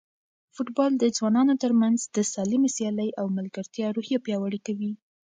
فوټبال د ځوانانو ترمنځ د سالمې سیالۍ او ملګرتیا روحیه پیاوړې کوي.